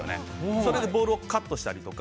それでボールをカットしたりとか。